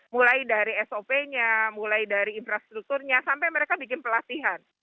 mulai dari sop nya mulai dari infrastrukturnya sampai mereka bikin pelatihan